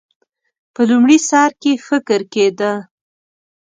په لومړي سر کې فکر کېده.